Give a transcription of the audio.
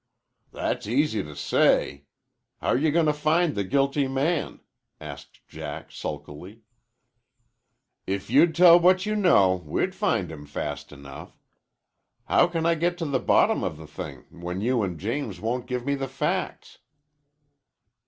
"That's easy to say. How're you going to find the guilty man?" asked Jack sulkily. "If you'd tell what you know we'd find him fast enough. How can I get to the bottom of the thing when you an' James won't give me the facts?"